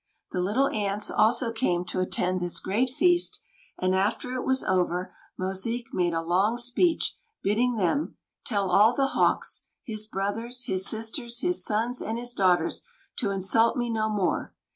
The Little Ants also came to attend this great feast; and after it was over, Mosique made a long speech, bidding them: "Tell all the Hawks, his brothers, his sisters, his sons, and his daughters, to insult me no more.